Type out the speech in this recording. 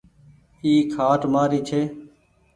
اي کآٽ مآري ڇي۔